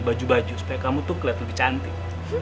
baju baju supaya kamu tuh kelihatan lebih cantik